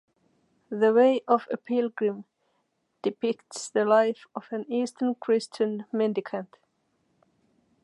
"The Way of a Pilgrim" depicts the life of an Eastern Christian mendicant.